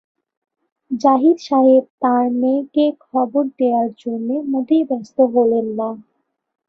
জাহিদ সাহেব তাঁর মেয়েকে খবর দেয়ার জন্যে মোটেই ব্যস্ত হলেন না।